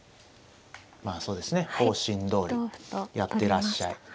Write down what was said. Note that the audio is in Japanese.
まあそうですね方針どおりやってらっしゃい。